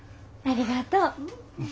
ありがとう。